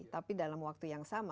tapi dalam waktu yang sama